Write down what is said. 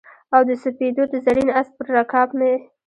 او د سپېدو د زرین آس پر رکاب مې